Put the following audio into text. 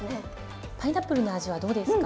パイナップルの味はどうですか？